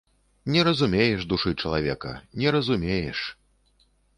Не разумееш душы чалавека, не разумееш!